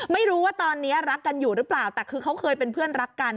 ไม่รู้ว่าตอนนี้รักกันอยู่หรือเปล่าแต่คือเขาเคยเป็นเพื่อนรักกัน